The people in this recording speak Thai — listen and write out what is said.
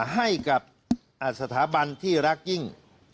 ให้กับสถาบันที่รักยิ่ง